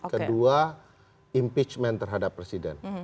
kedua impeachment terhadap presiden